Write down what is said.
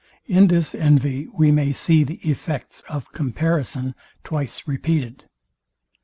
In this envy we may see the effects of comparison twice repeated.